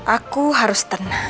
aku harus tenang